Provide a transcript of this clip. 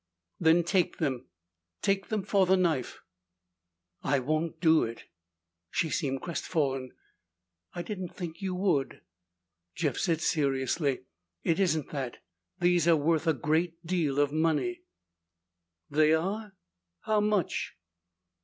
"Then take them. Take them for the knife." "I won't do it." She seemed crestfallen. "I didn't think you would." Jeff said seriously, "It isn't that. These are worth a great deal of money." "They are? How much?"